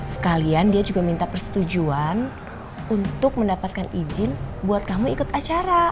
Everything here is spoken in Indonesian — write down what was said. sekalian dia juga minta persetujuan untuk mendapatkan izin buat kamu ikut acara